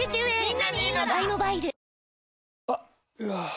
あっ、うわー。